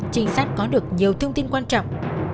chính xác có được nhiều thông tin quan trọng